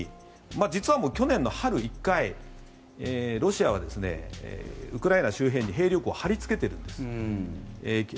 実は去年の春に１回ロシアはウクライナ周辺に兵力を張りつけているんです。